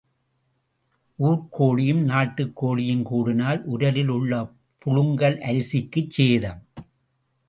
ஊர்க் கோழியும் நாட்டுக் கோழியும் கூடினால் உரலில் உள்ள புழுங்கல் அரிசிக்குச் சேதம்.